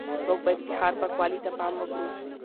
موږ باید د ښار پاکوالي ته پام وکړو